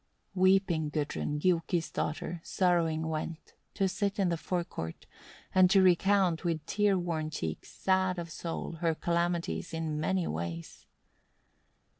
9. Weeping Gudrun, Giuki's daughter, sorrowing went, to sit in the fore court, and to recount, with tear worn cheeks, sad of soul, her calamities, in many ways.